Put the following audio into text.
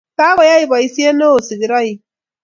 Kagoyey boisiet ne o sigiroik